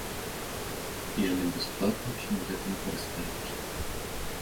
І яны бясплатна ўсім гэтым карыстаюцца.